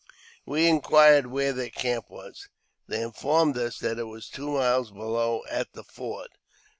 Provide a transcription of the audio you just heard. We inquired where their camp was. They informed us that it was two miles below, at the ford.